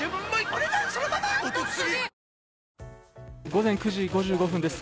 午前９時５５分です。